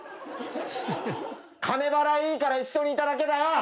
金払いいいから一緒にいただけだよ！